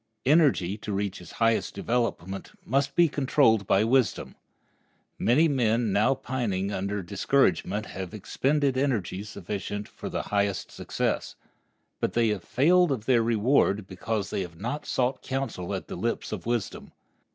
Energy, to reach its highest development, must be controlled by wisdom. Many men now pining under discouragement have expended energy sufficient for the highest success. But they have failed of their reward because they have not sought counsel at the lips of wisdom.